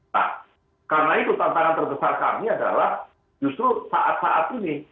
nah karena itu tantangan terbesar kami adalah justru saat saat ini